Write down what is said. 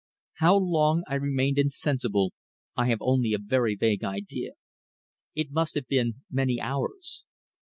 How long I remained insensible I have only a very vague idea. It must have been many hours.